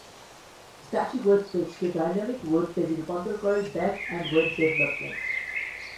Static web পেজকে dynamic web পেজে রূপান্তর করাই ব্যাক এন্ড ওয়েব ডেভেলপমেন্ট।